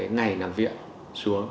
ngày làm việc xuống